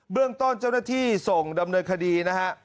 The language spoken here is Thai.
เรื่องต้นเจ้าหน้าที่ส่งดำเนินคดีนะฮะ